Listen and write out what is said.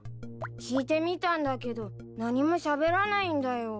聞いてみたんだけど何もしゃべらないんだよ。